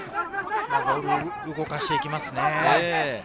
ボールを動かしていきますね。